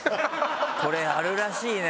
これあるらしいね。